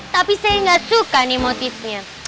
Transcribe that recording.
tapi saya gak suka nih motifnya